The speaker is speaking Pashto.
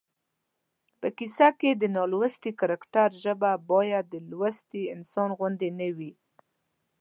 په کیسه کې د نالوستي کرکټر ژبه باید د لوستي انسان غوندې نه وي